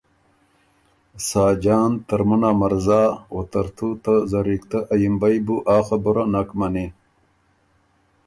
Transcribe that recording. ساجان ترمُن ا مرزا او ترتُو ته زرِکتۀ ا یِمبئ بُو آ خبُره نک منی